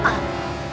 jangan ganggu dia